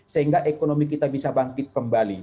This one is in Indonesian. sehingga ekonomi kita bisa bangkit kembali